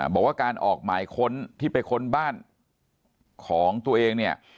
บอกว่าการออกหมายค้นที่ไปค้นบ้านของตัวเองเนี่ย